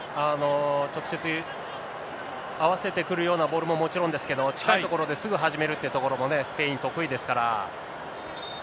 直接合わせてくるようなボールももちろんですけど、近い所ですぐ始めるってところもね、スペイン、得意ですから。